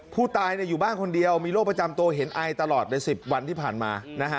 ผู้ตายอยู่บ้านคนเดียวมีโรคประจำตัวเห็นไอตลอดใน๑๐วันที่ผ่านมา